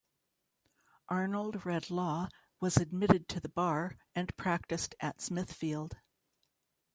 Arnold read law, was admitted to the bar and practiced at Smithfield.